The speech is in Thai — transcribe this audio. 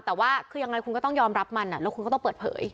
แต่ว่าคือยังไงคุณก็ต้องยอมรับมันแล้วคุณก็ต้องเปิดเผย